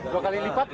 dua kali lipat